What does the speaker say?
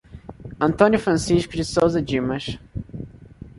Antônio Francisco de Sousa Dimas